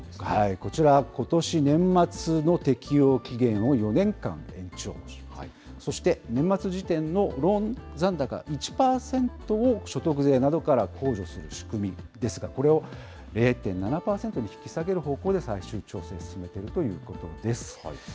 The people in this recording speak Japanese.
こちら、ことし年末の適用期限を４年間延長し、そして年末時点のローン残高１％を所得税などから控除する仕組みですが、これを０．７％に引き下げる方向で最終調整を進めているということです。